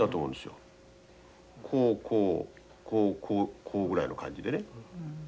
こうこうこうこうこうぐらいの感じでね。